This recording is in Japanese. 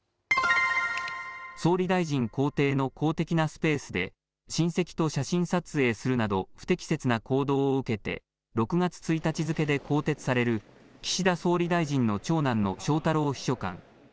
総理大臣公邸の公的なスペースで、親戚と写真撮影をするなど、不適切な行動を受けて、６月１日付けで更迭される、岸田総理大臣の長男の翔太郎秘書官。